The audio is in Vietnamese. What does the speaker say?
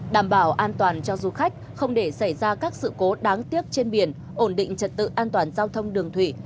đảm bảo an toàn cho du khách không để xảy ra các sự cố đáng tiếc trên biển ổn định trật tự an toàn giao thông đường thủy